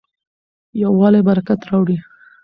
یووالی برکت راوړي.